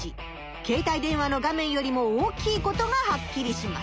携帯電話の画面よりも大きいことがはっきりします。